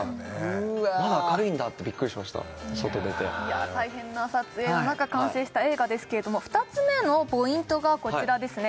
まだ明るいんだってびっくりしました外出ていや大変な撮影の中完成した映画ですけれども２つ目のポイントがこちらですね